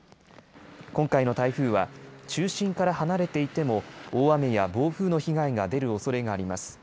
今回の台風は中心から離れていても大雨や暴風の被害が出るおそれがあります。